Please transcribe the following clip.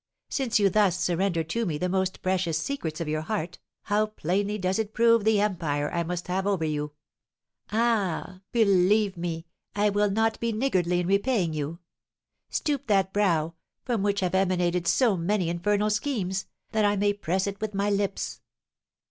Since you thus surrender to me the most precious secrets of your heart, how plainly does it prove the empire I must have over you! Ah, believe me, I will not be niggardly in repaying you. Stoop that brow, from which have emanated so many infernal schemes, that I may press it with my lips."